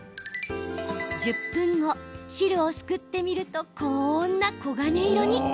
１０分後、汁をすくってみるとこんな黄金色に。